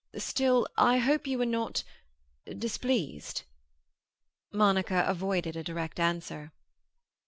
Still, I hope you were not—displeased?" Monica avoided a direct answer.